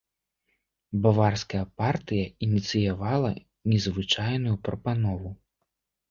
Баварская партыя ініцыявала незвычайную прапанову.